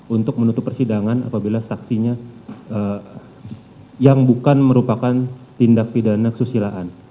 untuk menutup persidangan apabila saksinya yang bukan merupakan tindak pidana kesusilaan